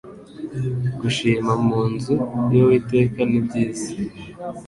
gushima mu nzu y uwiteka nibyiza